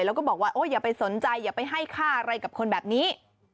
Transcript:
แล้วก็บอกว่าอย่าไปสนใจอย่าไปให้ค่าอะไรกับคนแบบนี้